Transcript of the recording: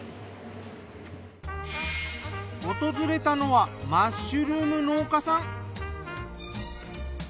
訪れたのはマッシュルーム農家さん。